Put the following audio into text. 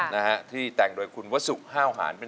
เพลงที่เจ็ดเพลงที่แปดแล้วมันจะบีบหัวใจมากกว่านี้